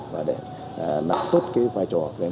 và để nặng tốt cái vai trò